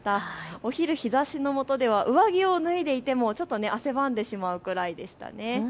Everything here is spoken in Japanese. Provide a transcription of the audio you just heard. お昼、日ざしのもとでは上着を脱いでいても汗ばんでしまうくらいでしたね。